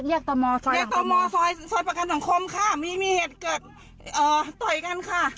ซอยตะโมสวัสดีทายค่ะ